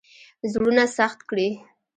زړونه سخت کړي.